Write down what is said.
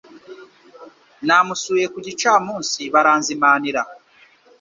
Namusuye ku gicamunsi baranzimanira